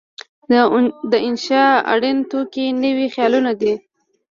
د انشأ اړین توکي نوي خیالونه دي.